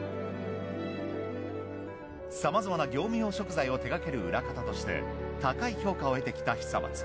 さまざまな業務用食材を手がける裏方として高い評価を得てきた久松。